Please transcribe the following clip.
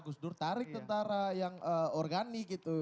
gus dur tarik tentara yang organik gitu